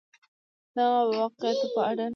د دغه واقعاتو په اړه